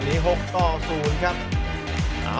อันดับสุดท้ายของมันก็คือ